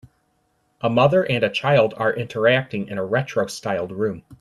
A mother and a child are interacting in a retrostyled room.